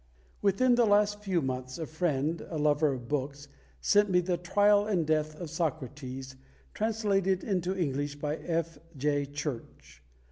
WITHIN the last few months a friend, a lover of books, sent me The Trial and Death of Socrates, translated into English by F. J. Church.